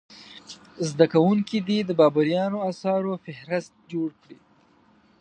زده کوونکي دې د بابریانو اثارو فهرست جوړ کړي.